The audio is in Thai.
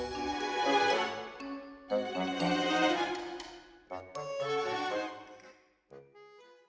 สวัสดีครับ